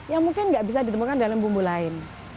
yang mungkin nggak bisa ditemukan dalam bumbu lain